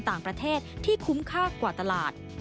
ต่างประเทศที่คุ้มค่ากว่าตลาด